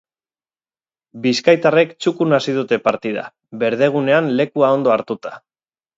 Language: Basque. Bizkaitarrek txukun hasi dute partida, berdegunean lekua ondo hartuta.